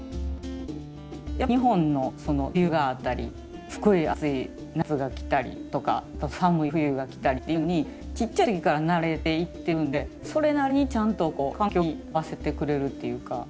やっぱり日本の梅雨があったりすっごい暑い夏が来たりとか寒い冬が来たりっていうのにちっちゃい時から慣れていってるんでそれなりにちゃんとこう環境に合わせてくれるっていうか。